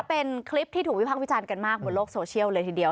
เป็นคลิปที่ถูกวิพากษ์วิจารณ์กันมากบนโลกโซเชียลเลยทีเดียว